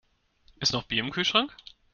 Ist noch Bier im Kühlschrank?